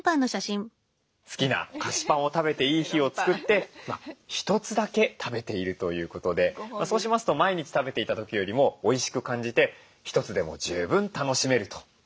好きな菓子パンを食べていい日を作って１つだけ食べているということでそうしますと毎日食べていた時よりもおいしく感じて１つでも十分楽しめるということでした。